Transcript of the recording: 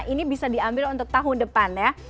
ini bisa diambil untuk tahun depan ya